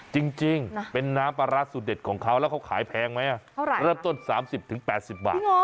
จริงเป็นน้ำปลาร้าสุดเด็ดของเขาแล้วเขาขายแพงไหมเริ่มต้น๓๐๘๐บาท